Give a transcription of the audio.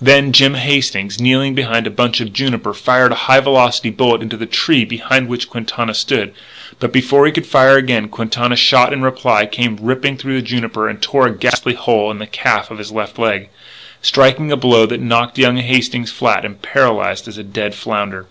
Then Jim Hastings, kneeling behind a bunch of juniper, fired a high velocity bullet into the tree behind which Quintana stood; but before he could fire again Quintana's shot in reply came ripping through the juniper and tore a ghastly hole in the calf of his left leg, striking a blow that knocked young Hastings flat and paralysed as a dead flounder.